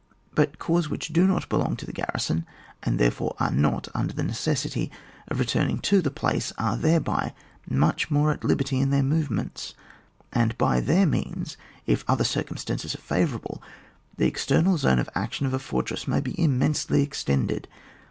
But corps which do not belong to the garrison, and there fore are not under the necessity of re turning to the place, are thereby much more at liberty in their movements, and by their means, if other circumstances are favourable, the external zone of action of a fortress may be immensely extended.